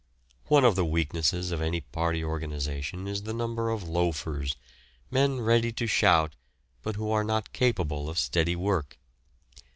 One of the weaknesses of any party organisation is the number of loafers, men ready to shout, but who are not capable of steady work.